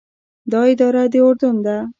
دا اداره د اردن ده.